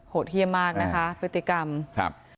ดเยี่ยมมากนะคะพฤติกรรมครับ